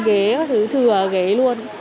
ghế có thứ thừa ghế luôn